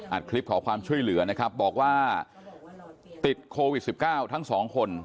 คลิปขอความช่วยเหลือนะครับบอกว่าติดโควิด๑๙ทั้งสองคน